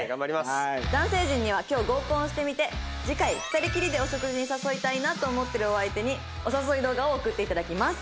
男性陣には今日合コンしてみて次回２人きりでお食事に誘いたいなと思ってるお相手にお誘い動画を送っていただきます。